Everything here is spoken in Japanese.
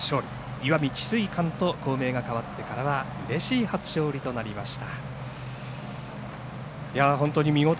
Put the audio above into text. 石見智翠館と校名が変わってからはうれしい初勝利となりました。